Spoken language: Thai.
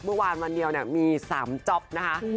เมื่อวานวันเดียวมี๓จ๊อบนะคะ